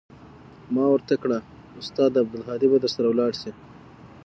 ما ورته كړه استاده عبدالهادي به درسره ولاړ سي.